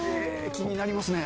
気になりますね。